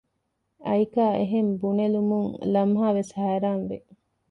އައިކާ އެހެން ބުނެލުމުން ލަމްހާވެސް ހައިރާންވި